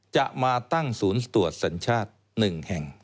จะมาตั้งศูนย์ตรวจสัญชาติ๑แห่ง